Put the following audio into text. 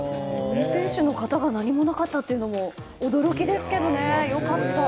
運転手の方が何もなかったというのも驚きですけどね。